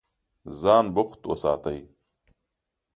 ځان بوخت وساتئ.